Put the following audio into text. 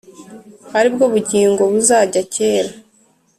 ari bwo bugingo buzajya kera,